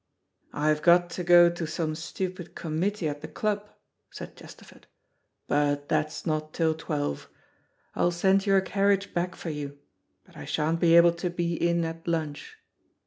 "I've got to go to some stupid committee at the club," said Chesterford, "but that's not till twelve. I'll send your carriage back for you, but I sha'n't be able to be in at lunch."